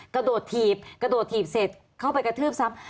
กระโดดถีบกระโดดถีบเสร็จเข้าไปกระทืบซ้ำ